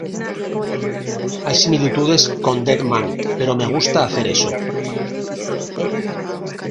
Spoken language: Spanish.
Hay similitudes con "Dead Man", pero me gusta hacer eso.